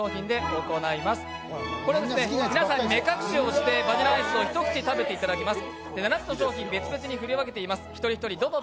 皆さんに目隠しをしてバニラアイスを一口食べていただきます。